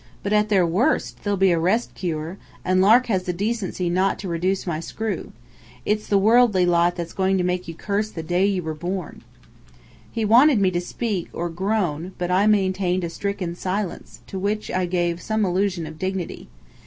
But at their worst, they'll be a rest cure! and Lark has the decency not to reduce my screw. It's the worldly lot that's going to make you curse the day you were born." He wanted me to speak, or groan; but I maintained a stricken silence, to which I gave some illusion of dignity.